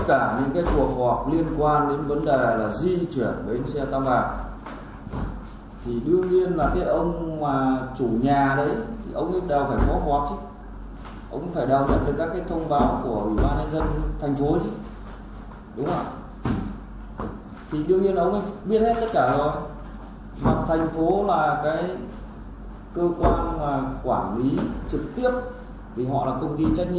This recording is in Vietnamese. đối quan quản lý trực tiếp thì họ là công ty trách nhiệm hãng một thành viên